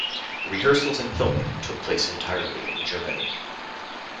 Rehearsals and filming took place entirely in Germany.